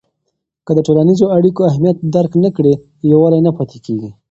که د ټولنیزو اړیکو اهمیت درک نه کړې، یووالی نه پاتې کېږي.